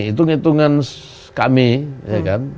hitung hitungan kami ya kan